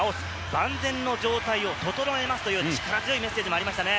万全の状態を整えますという、力強いメッセージもありましたね。